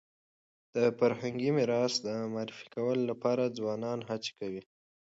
د فرهنګي میراث د معرفي کولو لپاره ځوانان هڅي کوي